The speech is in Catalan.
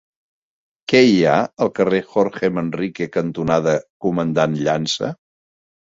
Què hi ha al carrer Jorge Manrique cantonada Comandant Llança?